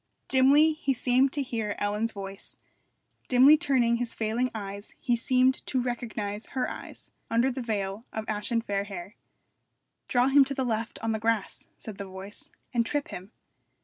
Dimly he seemed to hear Ellen's voice; dimly turning his failing eyes he seemed to recognise her eyes under the veil of ashen fair hair. 'Draw him to the left on the grass,' said the voice, 'and trip him.'